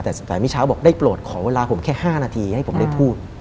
แต่เมื่อเช้าบอกได้โปรดขอเวลาผมแค่๕นาทีให้ผมได้พูด